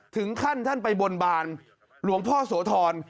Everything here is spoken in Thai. ถึงขั้นท่านไปบนบานหลวงพ่อโสธร